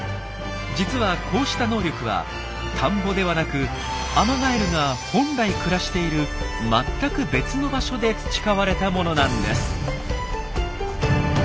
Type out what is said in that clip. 実はこうした能力は田んぼではなくアマガエルが本来暮らしている全く別の場所で培われたものなんです。